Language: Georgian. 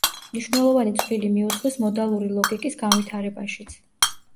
მნიშვნელოვანი წვლილი მიუძღვის მოდალური ლოგიკის განვითარებაშიც.